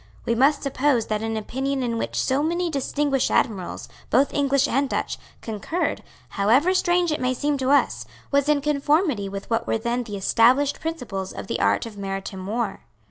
We must suppose that an opinion in which so many distinguished admirals, both English and Dutch, concurred, however strange it may seem to us, was in conformity with what were then the established principles of the art of maritime war.